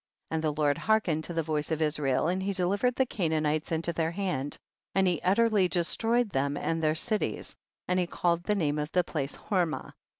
8. And the Lord hearkened to the voice of Israel, and he delivered the Canaanites into their hand, and he utterly destroyed them and their cities, and he called the name of the place Hormah.